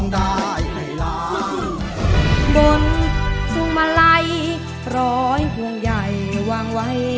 คือร้องได้ให้ล้าง